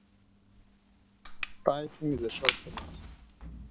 Step-free access is available for disabled travellers.